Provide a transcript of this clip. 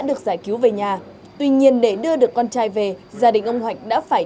trước đó nghe theo lời giới thiệu của các đối tượng con trai đã trở về với gia đình bà xuân